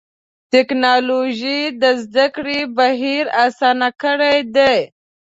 ټکنالوجي د زدهکړې بهیر آسانه کړی دی.